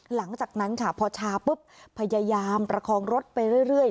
หลังจากนั้นค่ะพอชาปุ๊บพยายามประคองรถไปเรื่อย